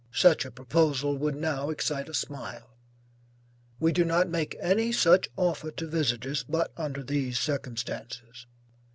Such a proposal would now excite a smile. We do not make any such offer to visitors, but under these circumstances.